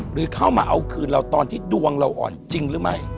หรือเข้ามาเอาคืนเราตอนที่ดวงเราอ่อนจริงหรือไม่